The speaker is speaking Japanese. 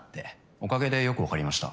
おかげでよくわかりました。